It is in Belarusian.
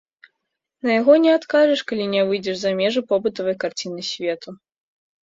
На яго не адкажаш, калі не выйдзеш за межы побытавай карціны свету.